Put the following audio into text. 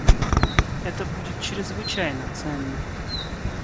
Это будет чрезвычайно ценно.